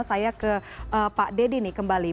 saya ke pak deddy nih kembali